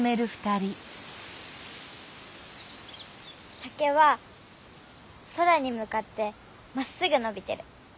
竹は空にむかってまっすぐのびてる。